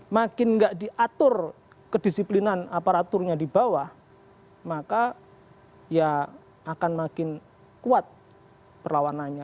makin nggak diatur kedisiplinan aparaturnya di bawah maka ya akan makin kuat perlawanannya